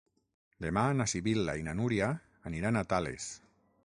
Demà na Sibil·la i na Núria aniran a Tales.